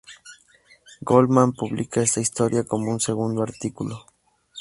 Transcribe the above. Goldman publica esta historia como un segundo artículo.